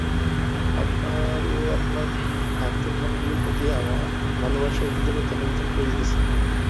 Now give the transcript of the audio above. আপনার ও আপনার ভ্রাতৃমণ্ডলীর প্রতি আমার ভালবাসা ও কৃতজ্ঞতা নিবেদন করিতেছি।